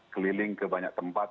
keliling ke banyak tempat